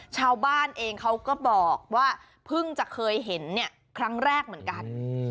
ชาวบ้านเองเขาก็บอกว่าเพิ่งจะเคยเห็นครั้งแรกเหมือนกัน